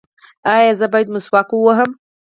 ایا زه باید مسواک ووهم؟